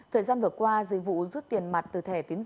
thời gian vừa qua dịch vụ rút tiền mặt từ thẻ tiến dụng